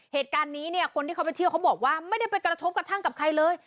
เหตุการณ์นี้เนี่ยคนที่เขาไปเที่ยวเขาบอกว่าไม่ได้ไปกระทบกระทั่งกับใครเลย